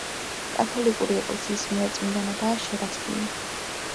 კათოლიკური ეკლესიის მიერ წმინდანადაა შერაცხილი.